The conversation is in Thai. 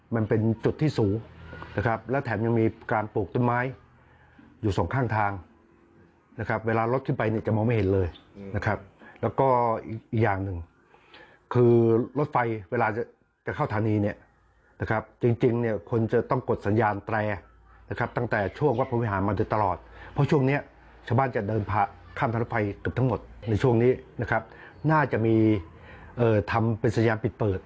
มันเป็นจุดที่สูงนะครับและแถมยังมีการปลูกต้นไม้อยู่ส่องข้างทางนะครับเวลารถขึ้นไปเนี่ยจะมองไม่เห็นเลยนะครับแล้วก็อีกอย่างหนึ่งคือรถไฟเวลาจะเข้าฐานีเนี่ยนะครับจริงจริงเนี่ยควรจะต้องกดสัญญาณแปรนะครับตั้งแต่ช่วงวัดพระวิหารมันจะตลอดเพราะช่วงเนี้ยชาวบ้านจะเดินผ่าข้ามทางรถไฟกับทั้ง